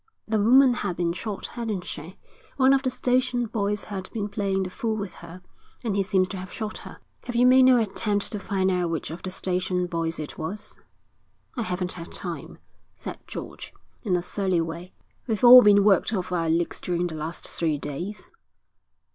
The woman had been shot, hadn't she? One of the station boys had been playing the fool with her, and he seems to have shot her.' 'Have you made no attempt to find out which of the station boys it was?' 'I haven't had time,' said George, in a surly way. 'We've all been worked off our legs during the last three days.'